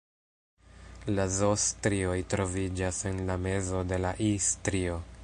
La Z-strioj troviĝas en la mezo de la I-strio.